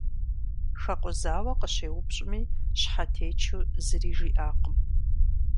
Хэкъузауэ къыщеупщӏми, щхьэтечу зыри жиӏакъым.